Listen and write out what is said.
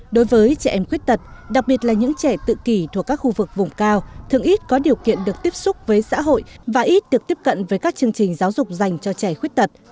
đối với trẻ em khuyết tật đặc biệt là những trẻ tự kỷ thuộc các khu vực vùng cao thường ít có điều kiện được tiếp xúc với xã hội và ít được tiếp cận với các chương trình giáo dục dành cho trẻ khuyết tật